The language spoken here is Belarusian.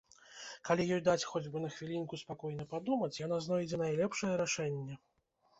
Калі ёй даць хоць бы хвілінку спакойна падумаць, яна знойдзе найлепшае рашэнне.